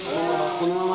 このまま？